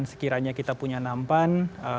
sekiranya kita punya nampan